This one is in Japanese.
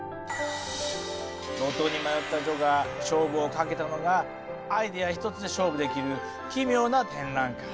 路頭に迷った徐が勝負をかけたのがアイデア一つで勝負できる奇妙な展覧会。